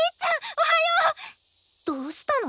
おはよう！どうしたの？